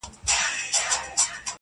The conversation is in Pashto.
په دنیا کي چي د چا نوم د سلطان دی!.